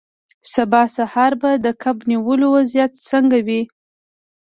سبا سهار به د کب نیولو وضعیت څنګه وي